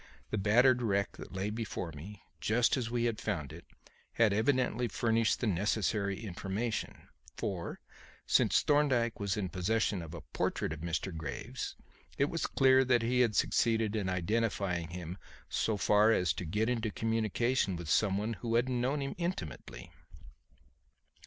The battered wreck that lay before me, just as we had found it, had evidently furnished the necessary information; for, since Thorndyke was in possession of a portrait of Mr. Graves, it was clear that he had succeeded in identifying him so far as to get into communication with some one who had known him intimately.